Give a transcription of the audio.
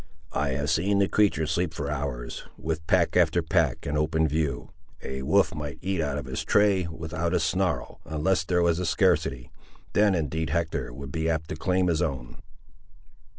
"I have seen the creatur' sleep for hours, with pack after pack, in open view. A wolf might eat out of his tray without a snarl, unless there was a scarcity; then, indeed, Hector would be apt to claim his own."